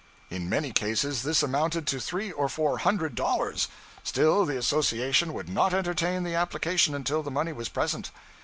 In many cases this amounted to three or four hundred dollars. Still, the association would not entertain the application until the money was present.